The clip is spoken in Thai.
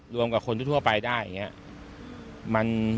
รวมกับคนทั่วไปได้อย่างนี้